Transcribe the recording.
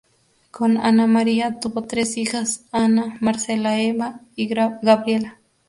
Con Ana María tuvo tres hijas: Ana, Marcela Eva y Gabriela.